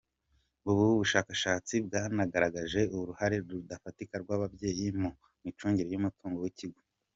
Ubu bushakashatsi bwanagaragaje uruhare rudafatika rw’ababyeyi mu micungire y’umutungo w’ikigo.